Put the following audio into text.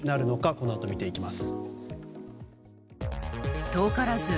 このあと見ていきます。